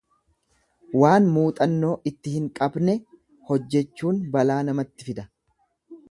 Waan muuxannoo itti hin qabne hojjechuun balaa namatti fida.